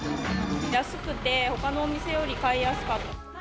安くてほかのお店より買いやすかった。